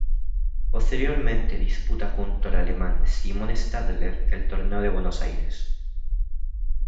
Posteriormente disputa junto al alemán Simon Stadler, el Torneo de Buenos Aires.